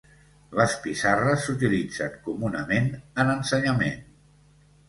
Les pissarres s'utilitzen comunament en ensenyament.